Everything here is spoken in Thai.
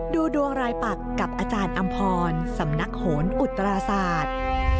ดูดวงรายปักกับอาจารย์อำพรสำนักโหนอุตราศาสตร์